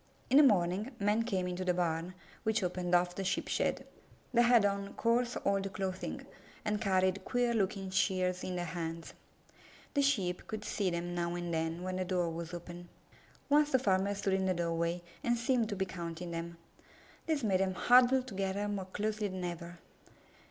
In the morning, men came into the barn, which opened off the Sheep shed. They had on coarse, old clothing, and carried queer looking shears in their hands. The Sheep could see them now and then when the door was open. Once the farmer stood in the doorway and seemed to be counting them. This made them huddle together more closely than ever.